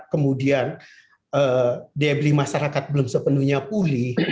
kemudian debri masyarakat belum sepenuhnya pulih